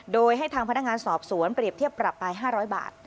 โดยให้ทางพนักงานสอบสวนเปรียบเทียบปรับไป๕๐๐บาท